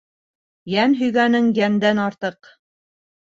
Йән һөйгәнең йәндән артыҡ.